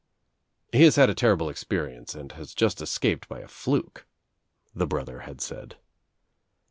"He has had a terrible experience and has just escaped by a fluke" the brother had said.